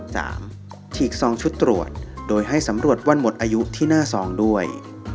ฉีกซองชุดตรวจโดยให้สำรวจวันหมดอายุที่หน้าซองด้วย